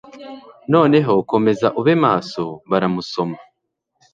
Noneho komeza ube maso baramusoma.